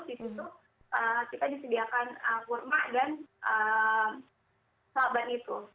di situ kita disediakan kurma dan saban itu